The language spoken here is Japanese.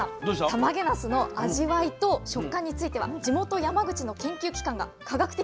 たまげなすの味わいと食感については地元山口の研究機関が科学的に分析をしているんです。